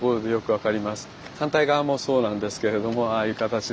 反対側もそうなんですけれどもああいう形で。